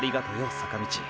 坂道。